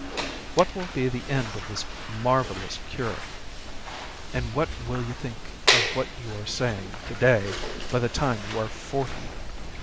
What will be the end of this marvellous cure, and what will you think of what you are saying to day by the time you are forty?